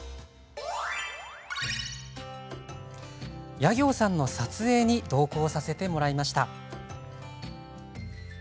夜行さんの撮影に同行させてもらいました。